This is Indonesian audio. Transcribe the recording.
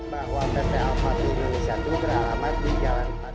bahwa pt almat di indonesia itu beralamat di jalan